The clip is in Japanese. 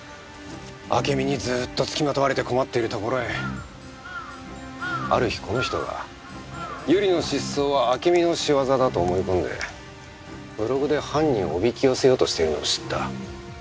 暁美にずっと付きまとわれて困っているところへある日この人が百合の失踪は暁美の仕業だと思い込んでブログで犯人をおびき寄せようとしているのを知った。